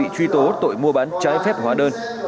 truy tố tội mua bán trái phép hóa đơn